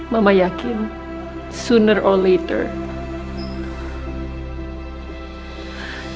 mama yakin secepat mungkin